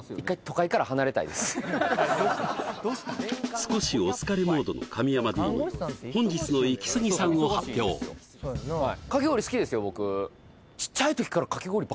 少しお疲れモードの神山Ｄに本日のイキスギさんを発表どうもりなえさん